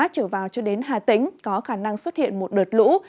trở vào cho đến hà tĩnh có khả năng xuất hiện một đợt lũ